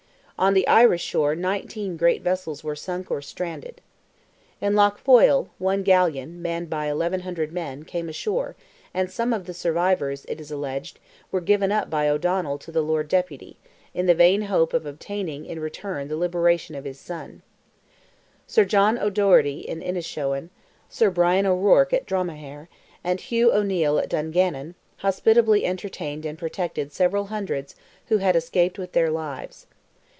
On the Irish shore nineteen great vessels were sunk or stranded. In Lough Foyle, one galleon, manned by 1,100 men, came ashore, and some of the survivors, it is alleged, were given up by O'Donnell to the Lord Deputy, in the vain hope of obtaining in return the liberation of his son. Sir John O'Doherty in Innishowen, Sir Brian O'Ruarc at Dromahaire, and Hugh O'Neil at Dungannon, hospitably entertained and protected several hundreds who had escaped with their lives.